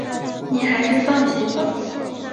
你还是放弃吧